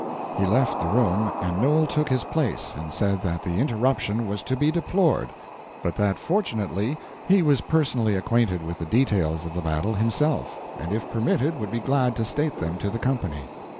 He left the room, and Noel took his place and said that the interruption was to be deplored, but that fortunately he was personally acquainted with the details of the battle himself, and if permitted would be glad to state them to the company.